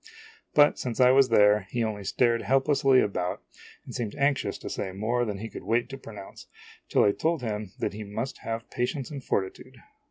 But, since I was there, he only stared helplessly about and seemed anxious to say more than he could wait to pronounce, till I told him that he must have patience and fortitude.